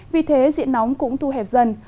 vì thế diện nóng cũng thu hẹp dần